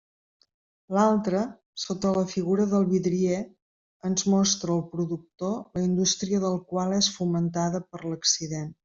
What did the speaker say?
L'altre, sota la figura del vidrier, ens mostra el productor la indústria del qual és fomentada per l'accident.